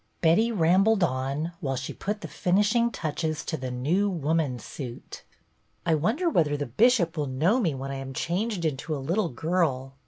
Betty I'ambled on while she put the finish insi touches to The New Woman's suit. " I wonder whether the Bishop will know me when I am changed into a little girl."